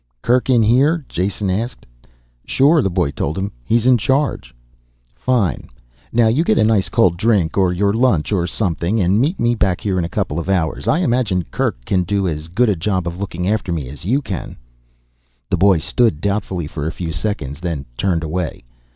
"Kerk in here?" Jason asked. "Sure," the boy told him. "He's in charge." "Fine. Now you get a nice cold drink, or your lunch, or something, and meet me back here in a couple of hours. I imagine Kerk can do as good a job of looking after me as you can." The boy stood doubtfully for a few seconds, then turned away.